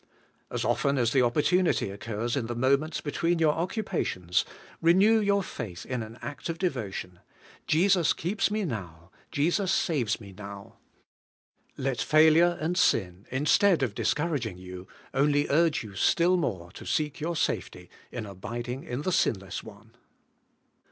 As often as the opportunity occurs in the moments between your occupations, renew your faith in an act of devotion: Jesus keeps me now, Jesus saves me now. Let failure and sin, instead of discouraging you, only urge you still more to seek your safety in abiding in the Sinless One.